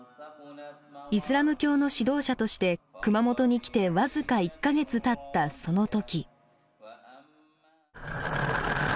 イスラム教の指導者として熊本に来て僅か１か月たったその時。